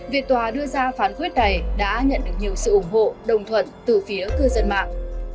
việc tòa đưa ra phán quyết này đã nhận được nhiều sự ủng hộ đồng thuận từ phía cư dân mạng